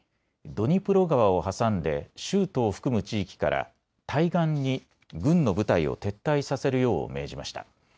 ドニプロ川を挟んで州都を含む地域から対岸に軍の部隊を撤退させるよう命じました。